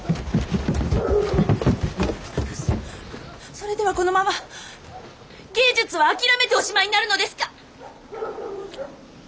それではこのまま芸術は諦めておしまいになるのですか？